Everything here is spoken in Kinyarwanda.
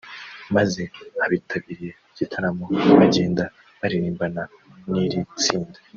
maze abitabiriye igitaramo bagenda baririmbana n’iri tsinda